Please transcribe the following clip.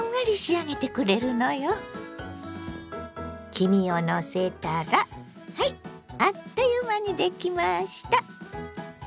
黄身をのせたらはいあっという間にできました！